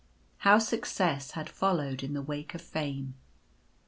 How success had followed in the wake of fame.